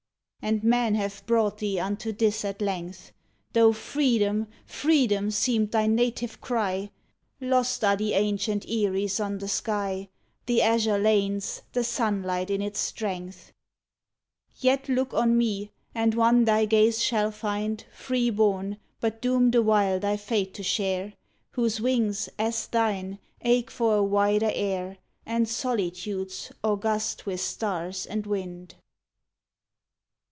And men have brought thee unto this at length, Tho "Freedom! freedom!" seemed thy native cry, Lost are the ancient eyries on the sky, The azure lanes, the sunlight in its strength. Yet look on me, and one thy gaze shall find Freeborn, but doomed awhile thy fate to share Whose wings, as thine, ache for a wider air And solitudes august with stars and wind.